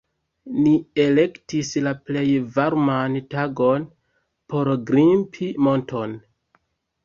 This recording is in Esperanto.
Ni elektis la plej varman tagon por grimpi monton